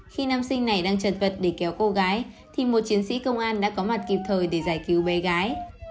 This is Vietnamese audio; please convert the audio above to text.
khi nam sinh này đang trật vật để kéo cô gái thì một chiến sĩ công an đã có mặt kịp thời để giải cứu bé gái